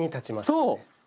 そう。